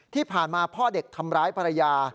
ที่ผ่านมาพ่อเด็กทำร้ายภรรยา